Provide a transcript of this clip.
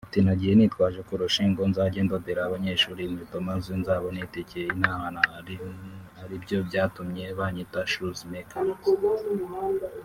Ati “ Nagiye nitwaje koroshi ngo nzajye ndodera abanyeshuri inkweto maze nzabone itike intahana aribyo byatumaga banyita shoes maker